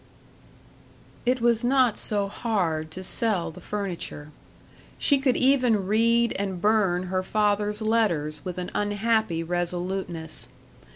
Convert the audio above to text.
§ 3 It was not so hard to sell the furniture; she could even read and burn her father's letters with an unhappy resoluteness.